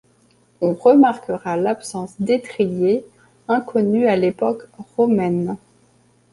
On remarquera l'absence d'étriers, inconnus à l'époque romaine.